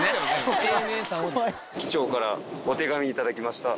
機長からお手紙頂きました。